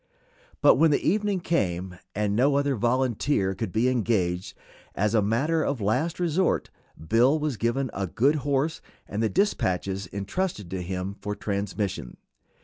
But when evening came and no other volunteer could be engaged, as a matter of last resort Bill was given a good horse and the dispatches intrusted to him for transmission.